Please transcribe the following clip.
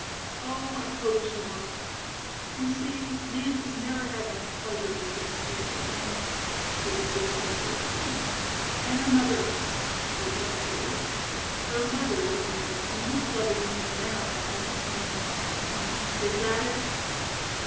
"Oh, I hope she won't. You see, Nance has never had much pleasure with young people, and" it was difficult to explain "and her mother " she hesitated. "Her mother, being the most famous clubwoman in America, hasn't spent much time at home? Is that it?"